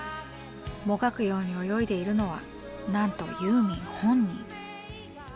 もがくように泳いでいるのはなんとユーミン本人。